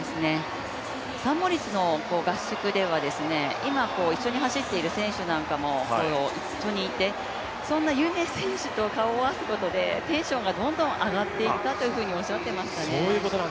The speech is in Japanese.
サンモリッツの合宿では、今一緒に走っている選手なんかもいて、そんな有名選手と顔を合わせることでテンションがどんどん上がっていったとおっしゃっていましたね。